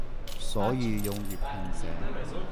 所以用粵拼寫